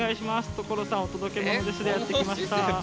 『所さんお届けモノです！』でやって来ました。